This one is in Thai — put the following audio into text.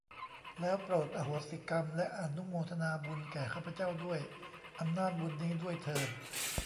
แล้วโปรดอโหสิกรรม และอนุโมทนาบุญแก่ข้าพเจ้าด้วยอำนาจบุญนี้ด้วยเทอญ